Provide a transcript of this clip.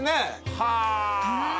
はあ。